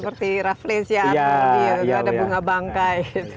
seperti rafflesia itu ada bunga bangkai